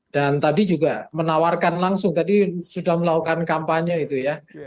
dan tadi juga menawarkan langsung tadi sudah melakukan kampanye gitu ya